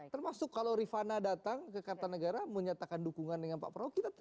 termasuk kalau rifana datang ke kartanegara menyatakan dukungan dengan pak prabowo